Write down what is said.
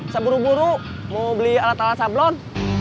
seburu buru mau beli alat alat sablon